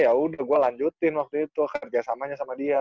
ya udah gue lanjutin waktu itu kerjasamanya sama dia